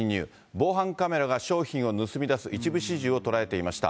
防犯カメラが、商品を盗み出す一部始終を捉えていました。